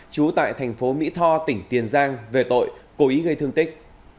trú tại thành phố mỹ tho tỉnh tiền giang về tội cố ý gây thương tích